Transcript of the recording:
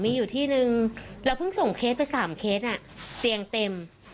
มีอยู่ที่นึงเราเพิ่งส่งเคสไป๓เคสเตียงเต็ม